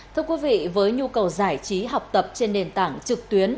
thưa quý vị với nhu cầu giải trí học tập trên nền tảng trực tuyến